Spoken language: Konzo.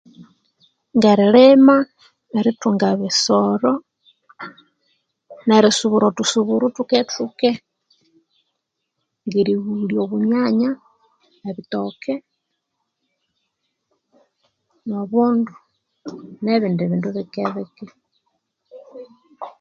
Ngeri lima nerithunga ebisoro nerisubura othusuburo thukethuke ngrighulya obunyanya ebitooke nobundu nebindi bindu bike bike